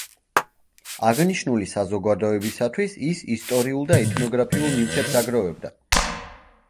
აღნიშნული საზოგადოებისათვის ის ისტორიულ და ეთნოგრაფიულ ნივთებს აგროვებდა.